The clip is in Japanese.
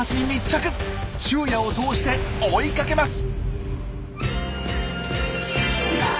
昼夜を通して追いかけます。